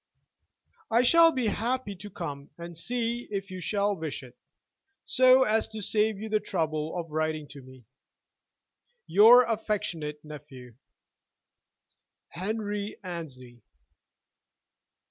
"I shall be happy to come and see you if you shall wish it, so as to save you the trouble of writing to me. "Your affectionate nephew, "HENRY ANNESLEY."